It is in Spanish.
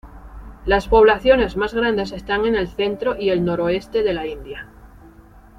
Las poblaciones más grandes están en el centro y el noroeste de la India.